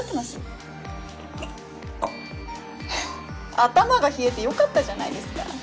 頭が冷えてよかったじゃないですか。